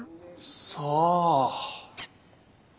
さあ？